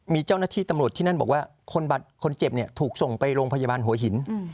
มีเจ้าหน้าที่ตำรวจที่นั่นบอกว่าคนเจ็บเนี่ยถูกส่งไปโรงพยาบาลหัวหิน